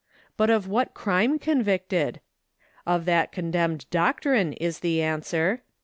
But of what crime convicted? "Of that condemned doctrine," is the answer.